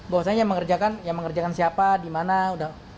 bahwa saya yang mengerjakan yang mengerjakan siapa dimana udah